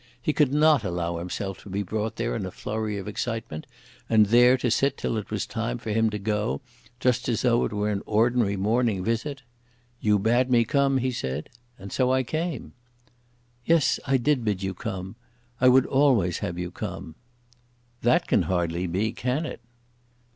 He could not allow himself to be brought there in a flurry of excitement, and there to sit till it was time for him to go, just as though it were an ordinary morning visit. "You bade me come," he said, "and so I came." "Yes, I did bid you come. I would always have you come." "That can hardly be; can it?"